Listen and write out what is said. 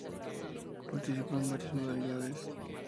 Participó en varias modalidades.